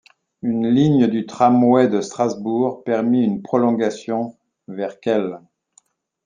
Une ligne du Tramway de Strasbourg permit une prolongation vers Kehl.